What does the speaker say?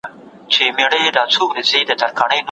خو حرکت کول پکار دي.